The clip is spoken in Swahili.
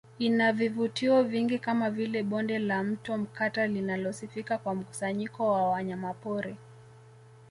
Ina vivutio vingi kama vile Bonde la Mto Mkata linalosifika kwa mkusanyiko wa wanyamapori